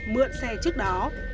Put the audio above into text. mượn xe trước đó